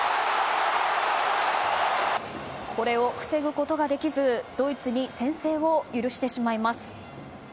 これを防ぐことができずドイツに先制を許してしまいます。